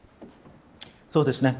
そうですね。